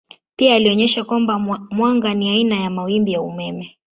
Pia alionyesha kwamba mwanga ni aina ya mawimbi ya umeme.